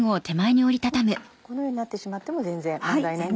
このようになってしまっても全然問題ないんですね？